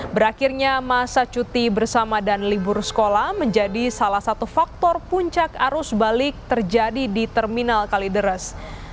berakhirnya masa cuti bersama dan libur sekolah menjadi salah satu faktor puncak arus balik terjadi di terminal kalideres